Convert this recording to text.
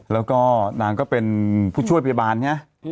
แล้วก็นางก็เป็นผู้ช่วยพยาบาลไง